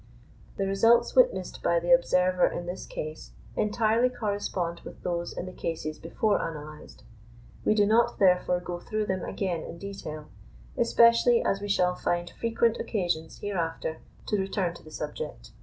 The results witnessed by the observer in this case, entirely correspond with those in the cases before analysed; we do not, therefore, go through them again in detail, especially as we shall find frequent occasions hereafter to return to the subject.